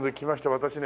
私ね